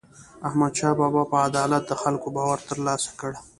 احمدشاه بابا په عدالت د خلکو باور ترلاسه کړ.